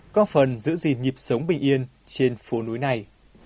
có phần giữ gìn nhịp sống bình yên trên phố núi này